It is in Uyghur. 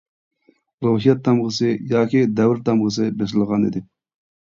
روھىيەت تامغىسى ياكى دەۋر تامغىسى بېسىلغانىدى.